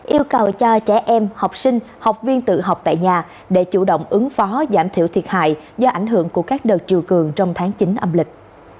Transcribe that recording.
yêu cầu cho trẻ em học sinh học viên tự học tại nhà để chủ động ứng phó giảm thiểu thiệt hại do ảnh hưởng của các đợt triều cường trong tháng chín âm lịch